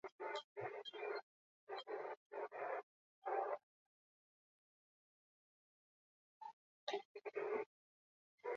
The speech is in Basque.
Mutil ona izatearen itxurapean, psikopatetan ohikoak diren desirak eta joerak ezkutatzen ditu.